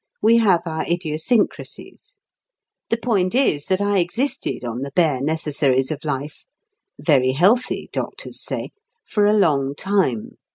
We have our idiosyncrasies. The point is that I existed on the bare necessaries of life (very healthy doctors say) for a long time.